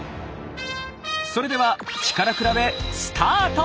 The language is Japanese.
それでは力比べスタート！